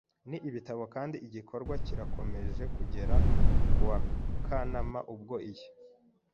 n ibitabo kandi igikorwa kirakomeje Kugera kuwa Kanama ubwo iyi